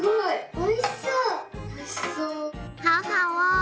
おいしそう」。